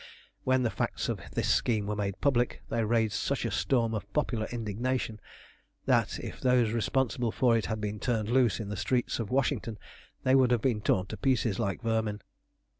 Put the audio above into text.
When the facts of this scheme were made public they raised such a storm of popular indignation, that if those responsible for it had been turned loose in the streets of Washington they would have been torn to pieces like vermin.